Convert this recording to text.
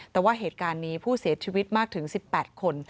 แต่ว่าเหตุการณ์นี้ผู้เสียชีวิตมากถึง๑๘คน